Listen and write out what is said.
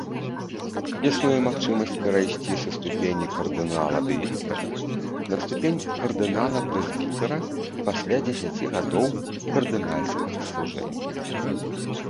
Існуе магчымасць перайсці са ступені кардынала-дыякана на ступень кардынала-прэзбітэра пасля дзесяці гадоў кардынальскага служэння.